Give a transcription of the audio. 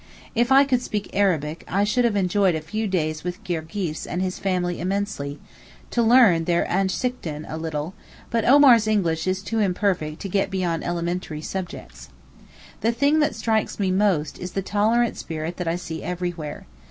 If I could speak Arabic I should have enjoyed a few days with Girgis and his family immensely, to learn their Ansichten a little; but Omar's English is too imperfect to get beyond elementary subjects. The thing that strikes me most is the tolerant spirit that I see everywhere.